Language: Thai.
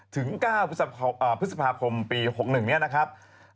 ถึง๙พฤษภาคมปี๖๑นี้นะครับ